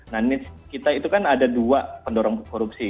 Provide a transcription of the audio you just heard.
nah needs kita itu kan ada dua pendorong korupsi